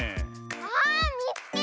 ああっみつけた！